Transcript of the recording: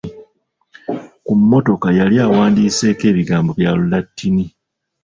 Ku mmotoka yali awandiiseko ebigambo bya lulatini.